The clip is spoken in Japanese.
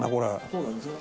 そうなんですよ。